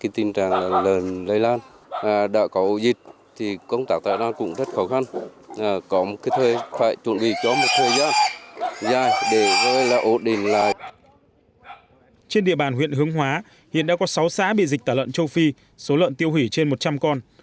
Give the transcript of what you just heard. trên địa bàn huyện hướng hóa hiện đã có sáu xã bị dịch tả lợn châu phi số lợn tiêu hủy trên một trăm linh con